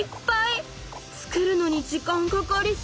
つくるのに時間かかりそう！